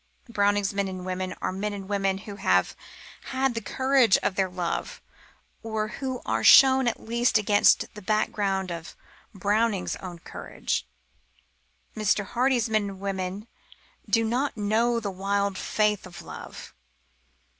Browning's men and women are men and women who have had the courage of their love, or who are shown at least against a background of Browning's own courage. Mr. Hardy's men and women do not know the wild faith of love.